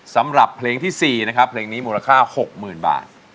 สำหรับเพลงที่๔นะครับเพลงนี้มูลค่า๖๐๐๐บาท